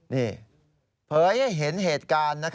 นี่เผยให้เห็นเหตุการณ์